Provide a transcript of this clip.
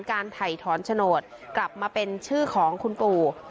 การถ่ายถอนโฉนดกลับมาเป็นชื่อของคุณปู่